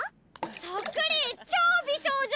そっくり！超美少女！